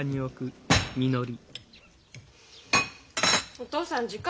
お父さん時間。